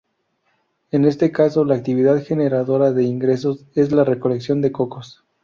En este caso, la actividad generadora de ingresos es la recolección de cocos.